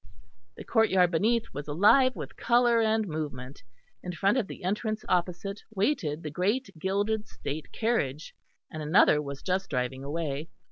The courtyard beneath was alive with colour and movement. In front of the entrance opposite waited the great gilded state carriage, and another was just driving away.